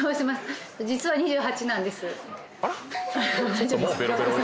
「大丈夫です。